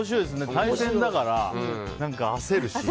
対戦だから焦るし。